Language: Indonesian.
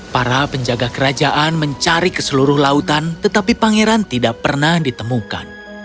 para penjaga kerajaan mencari keseluruh lautan tetapi pangeran tidak pernah ditemukan